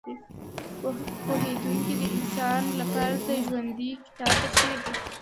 پوهېدونکی د انسان لپاره د ژوندي کتاب په څېر دی.